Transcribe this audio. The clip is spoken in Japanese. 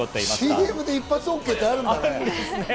ＣＭで一発ＯＫって、あるんだね。